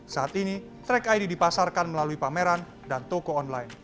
saat ini track id dipasarkan melalui pameran dan toko online